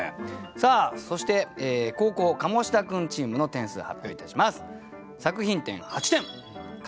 さあそして後攻カモシダ君チームの点数発表いたします。